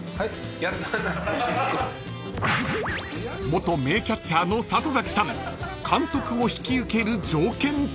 ［元名キャッチャーの里崎さん監督を引き受ける条件とは？］